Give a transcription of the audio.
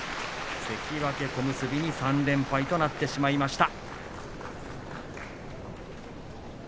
関脇、小結に３連敗となってしまいました。